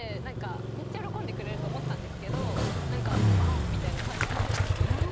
めっちゃ喜んでくれると思ったけど何か「あっ」みたいな感じだったので。